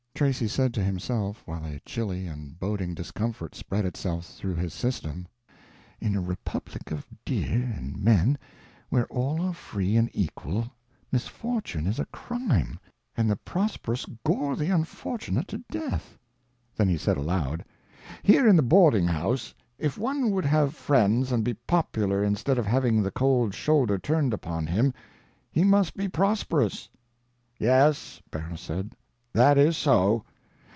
Tracy said to himself, while a chilly and boding discomfort spread itself through his system, "In a republic of deer and men where all are free and equal, misfortune is a crime, and the prosperous gore the unfortunate to death." Then he said aloud, "Here in the boarding house, if one would have friends and be popular instead of having the cold shoulder turned upon him, he must be prosperous." "Yes," Barrow said, "that is so.